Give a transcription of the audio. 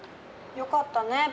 よかったね